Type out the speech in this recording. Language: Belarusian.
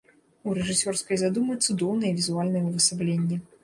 У рэжысёрскай задумы цудоўнае візуальнае ўвасабленне.